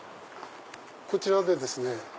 こちらですね